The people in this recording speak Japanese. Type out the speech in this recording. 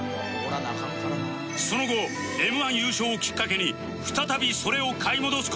その後 Ｍ−１ 優勝をきっかけに再びそれを買い戻す